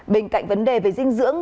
bên cạnh vấn đề về dinh dưỡng